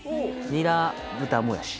ニラ豚もやし？